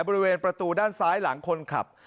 บริเวณประตูด้านซ้ายหลังคนขับ